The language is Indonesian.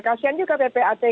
kasian juga ppatu ya